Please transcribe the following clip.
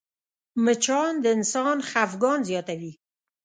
مچان د انسان خفګان زیاتوي